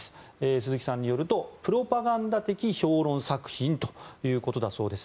鈴木さんによるとプロパガンダ的評論作品ということだそうです。